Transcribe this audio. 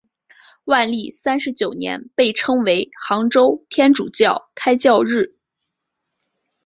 万历三十九年被称为杭州天主教开教日。